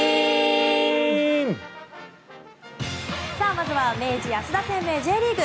まずは明治安田生命Ｊリーグ。